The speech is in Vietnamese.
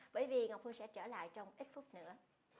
chúng tôi sẽ trở lại trong ít phút nữa